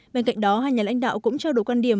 bên cạnh đó hai nhà lãnh đạo cũng trao đổi quan điểm